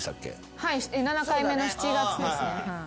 はい７回目の７月ですね。